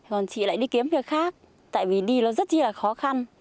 còn chị lại đi kiếm việc khác tại vì đi nó rất là khó khăn